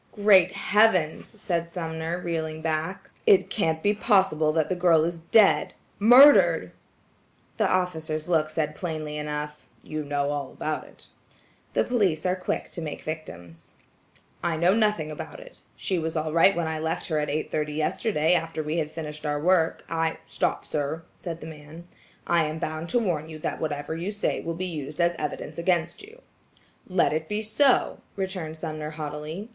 "Great heavens!" said Sumner reeling back, "it can't be possible that the girl is dead–murdered!" The officer's look said plainly enough,–"you know all about it." The police are quick to make victims. "I know nothing about it. She was all right when I left her at eight yesterday after we had finished our work. I–" "Stop, sir," said the man. "I am bound to warn you that whatever you say will be used as evidence against you." "Let it be so," returned Sumner haughtily.